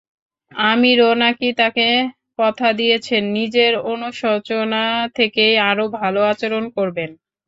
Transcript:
আমিরও নাকি তাঁকে কথা দিয়েছেন, নিজের অনুশোচনা থেকেই আরও ভালো আচরণ করবেন।